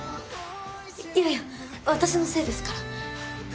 いやいや私のせいですから。